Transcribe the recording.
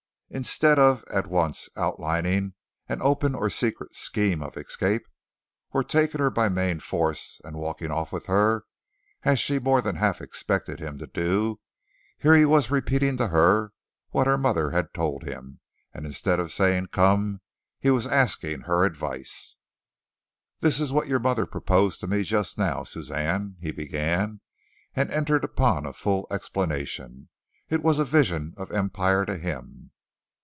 Instead of at once outlining an open or secret scheme of escape, or taking her by main force and walking off with her, as she more than half expected him to do, here he was repeating to her what her mother had told him, and instead of saying "Come!" he was asking her advice. "This is what your mother proposed to me just now, Suzanne," he began, and entered upon a full explanation. It was a vision of empire to him.